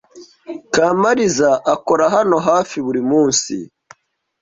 Kamariza akora hano hafi buri munsi.